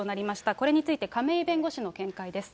これについて亀井弁護士の見解です。